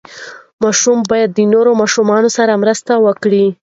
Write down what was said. ماشوم باید د نورو ماشومانو سره مرسته وکړي.